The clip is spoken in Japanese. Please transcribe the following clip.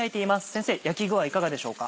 先生焼き具合いかがでしょうか？